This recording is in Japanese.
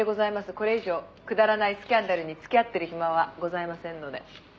「これ以上くだらないスキャンダルに付き合ってる暇はございませんので」